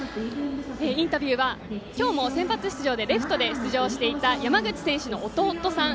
インタビューは今日も先発出場でレフトで出場していた山口選手の弟さん